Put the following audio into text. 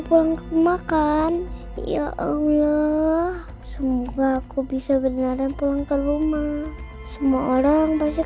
pulang ke rumah kan ya allah semoga aku bisa beneran pulang ke rumah semua orang pasti